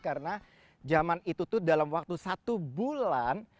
karena zaman itu tuh dalam waktu satu bulan